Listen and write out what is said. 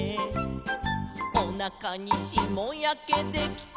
「おなかにしもやけできたとさ」